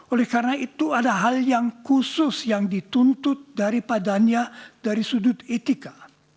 oleh karena itu ada hal yang khusus yang dituntut daripada niat dari sudut etika